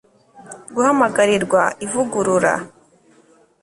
Guhamagarirwa Ivugurura